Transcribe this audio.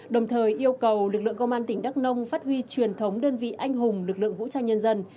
đồng thời yêu cầu lực lượng công an tỉnh đắk nông phát huy truyền thống đơn vị anh hùng lực lượng vũ trang nhân dân